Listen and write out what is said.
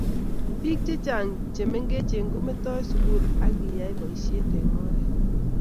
biik chechang chemengech kometoi sugul agiyai boishet eng oret